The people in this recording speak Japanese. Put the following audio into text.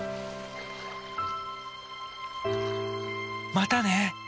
またね！